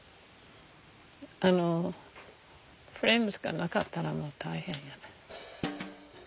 あのフレンズがなかったらもう大変やね。